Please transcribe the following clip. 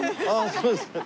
そうですか。